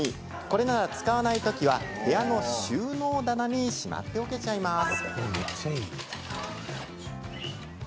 これなら使わないときは部屋の収納棚にしまっておけちゃいます。